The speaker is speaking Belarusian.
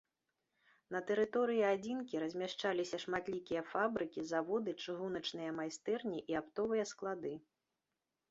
На тэрыторыі адзінкі размяшчаліся шматлікія фабрыкі, заводы, чыгуначныя майстэрні і аптовыя склады.